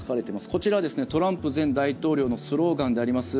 こちら、トランプ前大統領のスローガンであります